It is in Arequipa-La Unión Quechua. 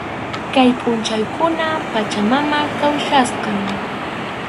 Kay pʼunchawkunam Pachamama kawsachkan.